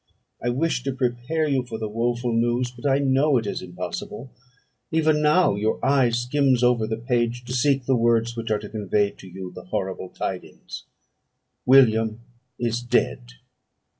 I wish to prepare you for the woful news, but I know it is impossible; even now your eye skims over the page, to seek the words which are to convey to you the horrible tidings. "William is dead!